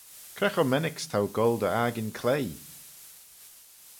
Cre cho mennick's t'ou goll dy 'akin cloie?